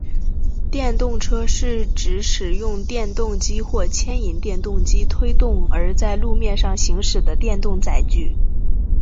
电动车是指使用电动机或牵引电动机推动而在路面上行驶的电动载具。